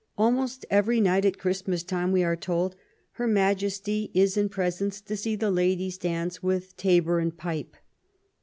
" Almost every night, at Christmas time," we are told, Her Majesty is in presence to see the ladies dance with tabour and pipe."